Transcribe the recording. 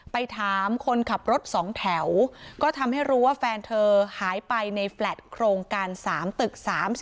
ไปถามคนขับรถ๒แถวก็ทำให้รู้ว่าแฟนเธอหายไปในแฟลตโครงการ๓ตึก๓๒